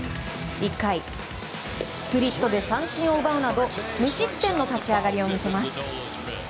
１回、スプリットで三振を奪うなど無失点の立ち上がりを見せます。